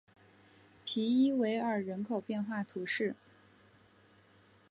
皮伊韦尔人口变化图示